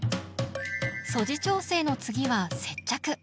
素地調整の次は接着。